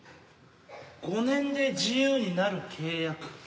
５年で自由になる契約。